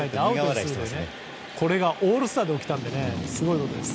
これがオールスターで起きたのですごいことです。